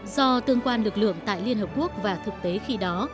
do tương quan lực lượng tại liên hợp quốc và thực tế khi đó